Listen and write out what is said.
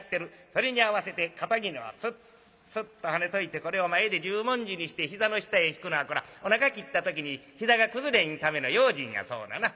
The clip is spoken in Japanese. それに合わせて肩衣をツッツッとはねといてこれを前で十文字にして膝の下へ敷くのはこれはおなか切った時に膝が崩れんための用心やそうなな。